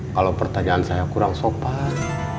kalau pertanyaan saya kurang sopan